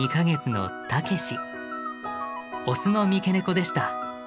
オスの三毛ネコでした。